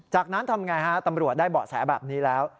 จากนั้นทำไงฮะตำรวจได้เบาะแสแบบนี้แล้ว